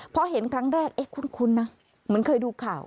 พอเห็นครั้งแรกเอ๊ะคุ้นนะเหมือนเคยดูข่าว